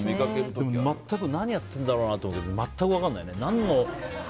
何やってるんだろうなって思うけど、全く分からないね。